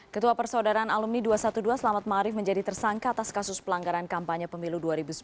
ketua persaudaraan alumni dua ratus dua belas selamat ⁇ maarif menjadi tersangka atas kasus pelanggaran kampanye pemilu dua ribu sembilan belas